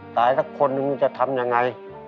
ตายทั้งคนนึงนี่จะทำยังไง